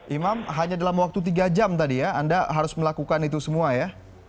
imam hanya dalam waktu tiga jam tadi ya anda harus melakukan itu semua ya